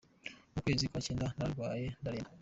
Mu kwezi kwa cyenda nararwaye, ndaremba.